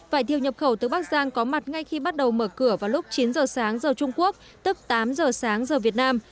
vải thiều nhập khẩu từ bắc giang có mặt ngay khi bắt đầu mở cửa vào lúc chín giờ sáng giờ trung quốc tức tám giờ sáng giờ việt nam